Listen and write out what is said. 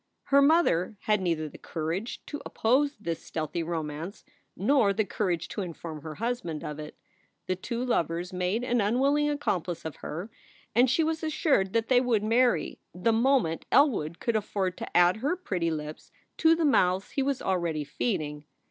Her mother had neither the courage to oppose this stealthy romance nor the courage to inform her husband of it. The two lovers made an unwilling accomplice of her, and she was assured that they would marry, the moment Elwood could afford to add her pretty lips to the mouths he was already feeding.